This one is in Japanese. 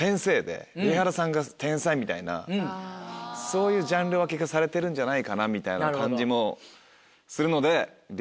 みたいなそういうジャンル分けがされてるんじゃないかなみたいな感じもするので。